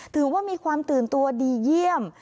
ถือว่ามีความตื่นตัวดีเยี่ยม